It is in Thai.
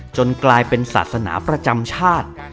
กลายเป็นศาสนาประจำชาติ